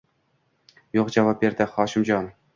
Yo`q, javob berdi Hoshimjon